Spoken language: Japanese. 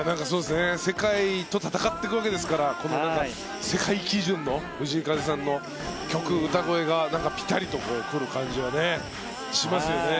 世界と戦っていくわけですから世界基準の藤井風さんの曲歌声がぴたりとくる感じはしますよね。